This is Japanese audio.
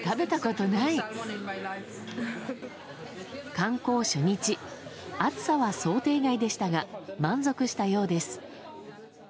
観光初日暑さは想定外でしたが満足したようです。